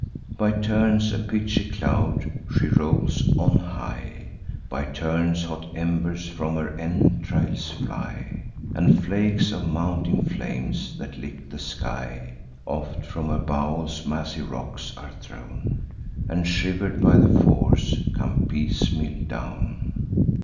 By turns a pitchy cloud she rolls on high; By turns hot embers from her entrails fly, And flakes of mounting flames, that lick the sky. Oft from her bowels massy rocks are thrown, And, shiver'd by the force, come piecemeal down.